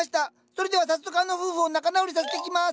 それでは早速あの夫婦を仲直りさせてきます！